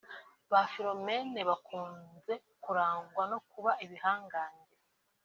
Ba Philomene bakunze kurangwa no kuba ibihangange